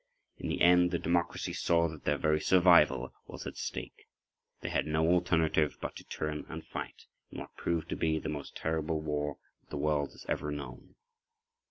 In the end the democracies saw that their very survival was at stake. They had no alternative [pg 12]but to turn and fight in what proved to be the most terrible war that the world has ever known.